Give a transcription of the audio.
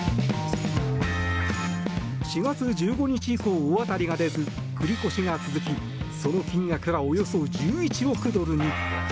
４月１５日以降、大当たりが出ず繰り越しが続きその金額はおよそ１１億ドルに。